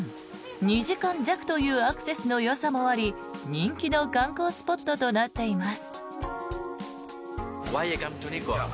２時間弱というアクセスのよさもあり人気の観光スポットとなっています。